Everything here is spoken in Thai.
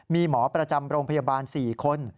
มีหมอประจำโรงพยาบาล๔คน